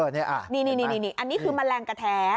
นี่อันนี้คือมันแรงกะแท้